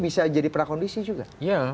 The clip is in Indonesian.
bisa jadi prakondisi juga